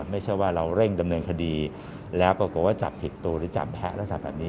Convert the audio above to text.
ไม่ใช่ว่าเราเร่งดำเนินคดีแล้วปรากฏว่าจับผิดตัวหรือจับแพ้ลักษณะแบบนี้